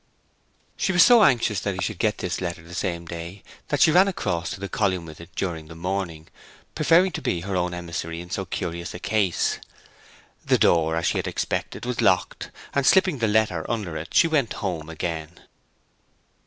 She was so anxious that he should get this letter the same day that she ran across to the column with it during the morning, preferring to be her own emissary in so curious a case. The door, as she had expected, was locked; and, slipping the letter under it, she went home again.